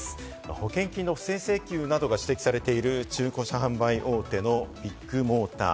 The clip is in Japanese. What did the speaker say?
保険金の不正請求などが指摘されている中古車販売大手のビッグモーター。